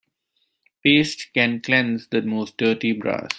Paste can cleanse the most dirty brass.